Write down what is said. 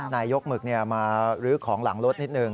นายยกหมึกมาลื้อของหลังรถนิดหนึ่ง